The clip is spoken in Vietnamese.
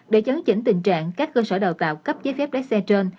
để chấn chỉnh tình trạng các cơ sở đào tạo cấp giấy phép lái xe trên